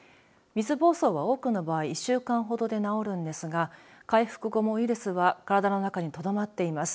水ぼうそうは多くの場合１週間ほどで治るんですが回復後もウイルスが体の中にとどまっています。